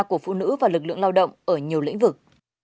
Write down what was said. của phụ nữ và lực lượng lao động ở nhiều lĩnh vực